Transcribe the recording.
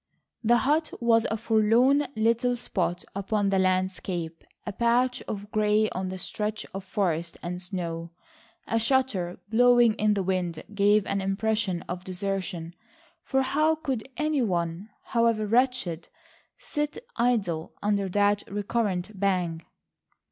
The hut was a forlorn little spot upon the landscape, a patch of grey on the stretch of forest and snow. A shutter blowing in the wind gave an impression of desertion, for how could any one, however wretched, sit idle under that recurrent bang?